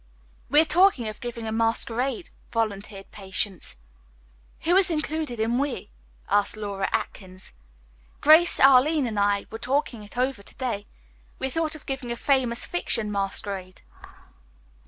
"We are talking of giving a masquerade," volunteered Patience. "Who is included in 'we'?" asked Laura Atkins. "Grace, Arline and I were talking it over to day. We thought of giving a Famous Fiction masquerade."